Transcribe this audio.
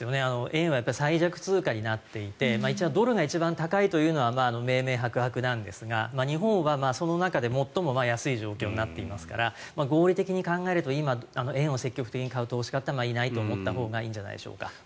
円は最弱通貨になっていてドルが一番高いのは明々白々なんですが日本はその中で最も安い状況になっていますから合理的に考えると今、円を積極的に買う投資家というのはいないと思ったほうがいいんじゃないでしょうか。